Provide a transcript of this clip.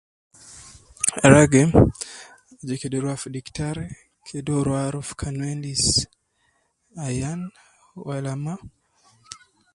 Ragi, aju kede rua fi diktari kede uwo rua aruf kan uwo endis ayan Wala ma